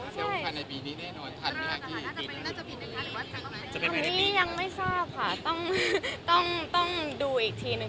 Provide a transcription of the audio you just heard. ตอนนี้ยังไม่ทราบค่ะต้องดูอีกทีหนึ่ง